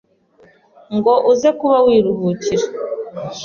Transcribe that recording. ngo uze kuba wiruhukira.